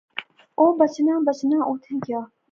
اہ بچنا بچانا اوتھیں گیا